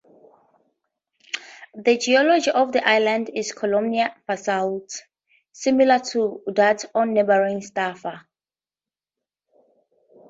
The geology of the island is columnar basalt, similar to that on neighbouring Staffa.